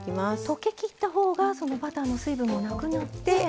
溶けきったほうがバターの水分もなくなって。